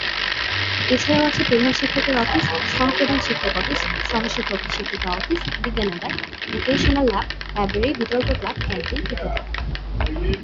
এছাড়াও আছে প্রধান শিক্ষকের অফিস, সহঃপ্রধান শিক্ষক অফিস, সহঃশিক্ষক-শিক্ষিকা অফিস, বিজ্ঞানাগার, ভোকেশনাল ল্যাব, লাইব্রেরী, বিতর্ক ক্লাব, ক্যান্টিন ইত্যাদি।